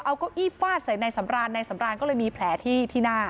เอาเก้าอี้ฟาดใส่นายสำรานนายสำรานก็เลยมีแผลที่หน้า